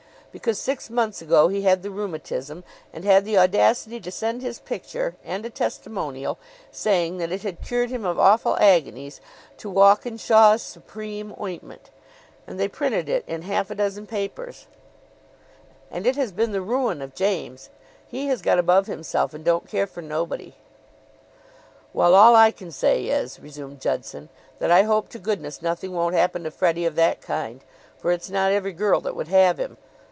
Because six months ago he had the rheumatism, and had the audacity to send his picture and a testimonial, saying that it had cured him of awful agonies, to Walkinshaw's Supreme Ointment, and they printed it in half a dozen papers; and it has been the ruin of James. He has got above himself and don't care for nobody." "Well, all I can say is," resumed Judson, "that I hope to goodness nothing won't happen to Freddie of that kind; for it's not every girl that would have him."